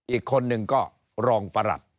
อีกคนนึงก็รองประหลัด